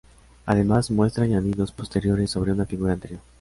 Además muestra añadidos posteriores sobre una figura anterior.